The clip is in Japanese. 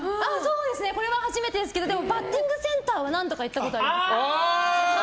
これは初めてですけどバッティングセンターは何度か行ったことあります。